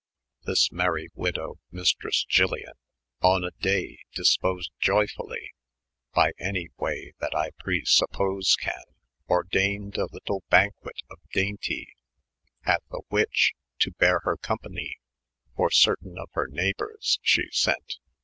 THis mery wydow, mastres Jyllyan, On a day dysposed ioyfolly, By any way that I presuppose can, Ordeyned alytell banket of deinty; At the whiche, to bere her company. For certayne of her neyghbours she sent.